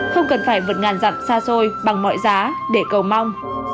không cần phải vượt ngàn dặm xa xôi bằng mọi giá để cầu mong